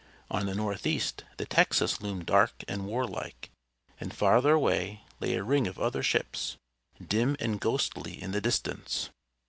On the northeast the Texas loomed dark and warlike, and farther away lay a ring of other ships, dim and ghostly in the distance.